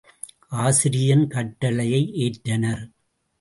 ஆசிரியன் கட்டளையை ஏற்றனர்.